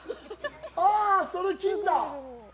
ああ、それ金だ！